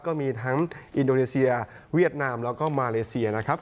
ก็มีทั้งอินโดนีเซียเวียดนามแล้วก็มาเลเซียนะครับ